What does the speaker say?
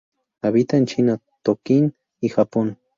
Habita en China, Tonkin y Japón.